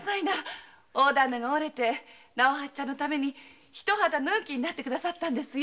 大旦那が折れて直八ちゃんのためにひと肌脱ぐ気になって下さったんですよ。